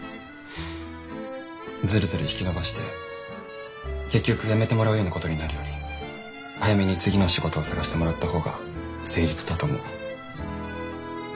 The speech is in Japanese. ずるずる引き延ばして結局辞めてもらうようなことになるより早めに次の仕事を探してもらった方が誠実だと思う。